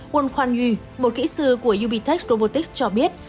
wang huanyu một kỹ sư của ubtech robotics cho biết